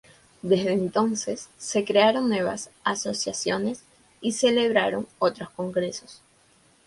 Desde entonces, se crearon nuevas asociaciones y se celebraron otros Congresos.